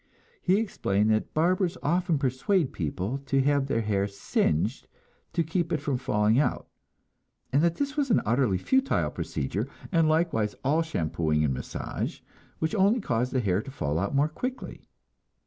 He explained that barbers often persuade people to have their hair singed, to keep it from falling out, and that this was an utterly futile procedure, and likewise all shampooing and massage, which only caused the hair to fall out more quickly.